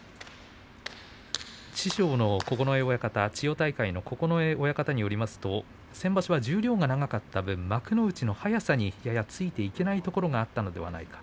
師匠の九重親方によりますと先場所は十両が長かった分幕内の速さについていけないところがあったのではないか